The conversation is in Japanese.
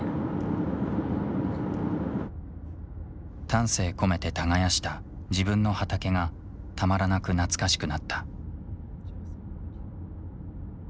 丹精込めて耕した自分の畑がたまらなく懐かしくなった。